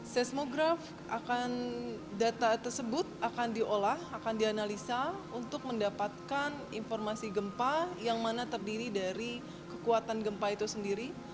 seismograf akan data tersebut akan diolah akan dianalisa untuk mendapatkan informasi gempa yang mana terdiri dari kekuatan gempa itu sendiri